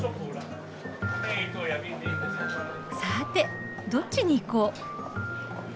さてどっちに行こう。